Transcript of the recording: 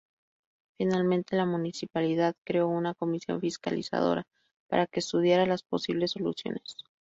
Finalmente, la Municipalidad creó una "Comisión Fiscalizadora" para que estudiara las posibles soluciones.